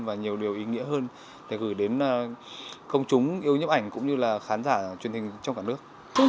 và nhiều điều ý nghĩa hơn để gửi đến công chúng yêu nhấp ảnh cũng như là khán giả truyền hình trong cả nước